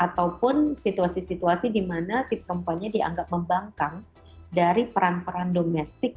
ataupun situasi situasi di mana si perempuannya dianggap membangkang dari peran peran domestik